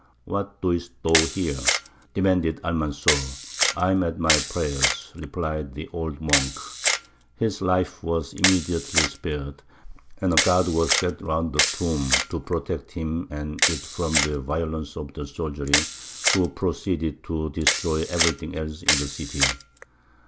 "What doest thou here?" demanded Almanzor. "I am at my prayers," replied the old monk. His life was immediately spared, and a guard was set round the tomb to protect him and it from the violence of the soldiery, who proceeded to destroy everything else in the city.